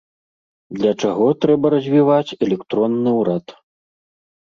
Для чаго трэба развіваць электронны ўрад.